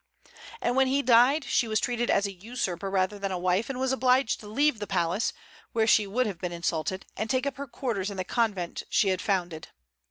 And when he died she was treated as a usurper rather than a wife, and was obliged to leave the palace, where she would have been insulted, and take up her quarters in the convent she had founded.